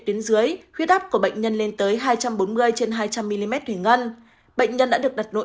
tuyến dưới huyết áp của bệnh nhân lên tới hai trăm bốn mươi trên hai trăm linh mm thủy ngân bệnh nhân đã được đặt nội